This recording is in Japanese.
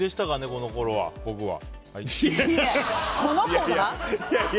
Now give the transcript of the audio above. このころ、僕は。